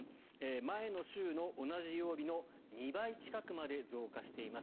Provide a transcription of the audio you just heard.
前の週の同じ曜日の２倍近くまで増加しています。